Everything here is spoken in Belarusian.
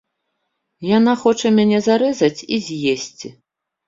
Яна хоча мяне зарэзаць і з'есці.